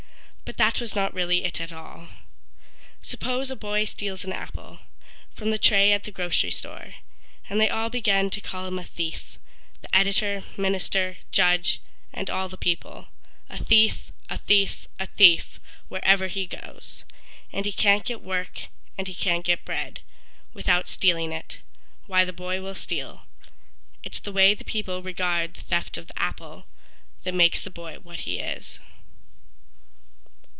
But that was not really it at all. Suppose a boy steals an apple From the tray at the grocery store, And they all begin to call him a thief, The editor, minister, judge, and all the people— "A thief," "a thief," "a thief," wherever he goes And he can't get work, and he can't get bread Without stealing it, why the boy will steal. It's the way the people regard the theft of the apple That makes the boy what he is.